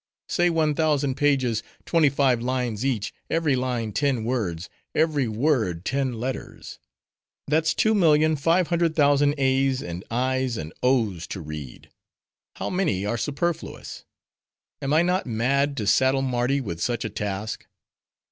Say one thousand pages—twenty five lines each—every line ten words—every word ten letters. That's two million five hundred thousand a's, and i's, and o's to read! How many are superfluous? Am I not mad to saddle Mardi with such a task?